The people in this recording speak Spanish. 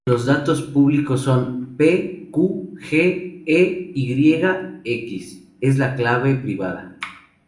Los datos públicos son p, q, g e y. x es la clave privada.